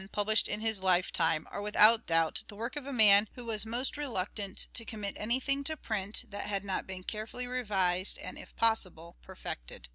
published in his lifetime are without doubt the work of a man who was most reluctant to commit anything to print that had not been very carefully revised and if possible perfected.